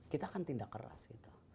kita akan tindak keras kita